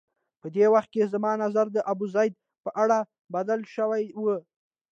په دې وخت کې زما نظر د ابوزید په اړه بدل شوی و.